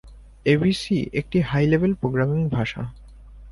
ABC একটি high level programming ভাষা।